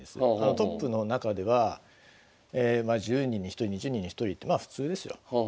トップの中では１０人に１人２０人に１人ってまあ普通ですよ。